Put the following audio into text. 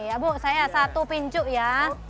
ya bu saya satu pincuk ya